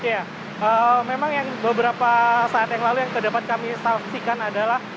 ya memang yang beberapa saat yang lalu yang terdapat kami saksikan adalah